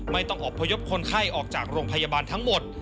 อบพยพคนไข้ออกจากโรงพยาบาลทั้งหมด